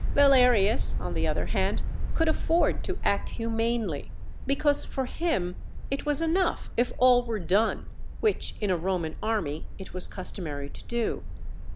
Valerius, on the other hand, could afford to act humanely, because for him it was enough if all were done which in a Roman army it was customary to do.